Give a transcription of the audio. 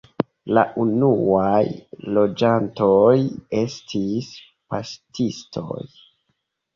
La unuaj loĝantoj estis paŝtistoj.